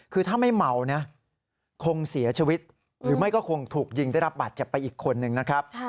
คือถ้าไม่เมานะคงเสียชีวิตหรือไม่ก็คงถูกยิงได้รับบาดเจ็บไปอีกคนนึงนะครับ